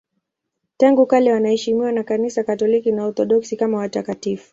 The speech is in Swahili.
Tangu kale wanaheshimiwa na Kanisa Katoliki na Waorthodoksi kama watakatifu.